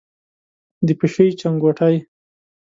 د پیشۍ چنګوټی،